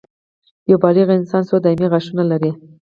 یو بالغ انسان څو دایمي غاښونه لري